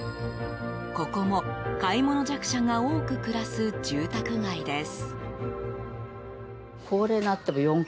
ここも買い物弱者が多く暮らす住宅街です。